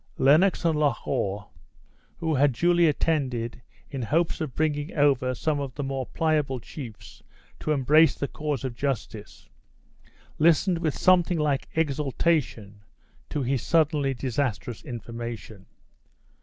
Lennox and Loch awe (who had duly attended, in hopes of bringing over some of the more pliable chiefs to embrace the cause of justice) listened with something like exultation to his suddenly disastrous information.